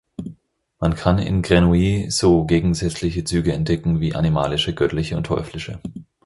Man kann in Grenouille so gegensätzliche Züge entdecken wie animalische, göttliche und teuflische.